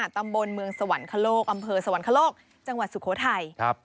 ตำบลเมืองสวรรคโลกอำเภอสวรรคโลกจังหวัดสุโขทัย